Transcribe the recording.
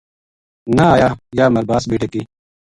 نہ آیا یاہ مرباس بے ڈکی